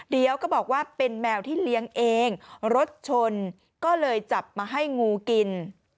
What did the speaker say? เดี๋ยวก็บอกว่าเป็นแมวที่เลี้ยงเองรถชนก็เลยจับมาให้งูกิน